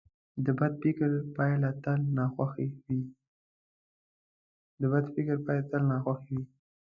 د بد فکر پایله تل ناخوښه وي.